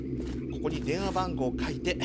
ここに電話番号書いて。